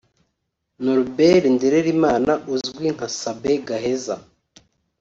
Norbert Ndererimana uzwi nka Sabin Gaheza